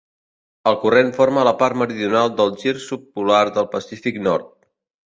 El corrent forma la part meridional del gir subpolar del Pacífic Nord.